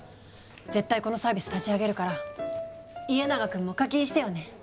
絶対このサービス立ち上げるから家長くんも課金してよね。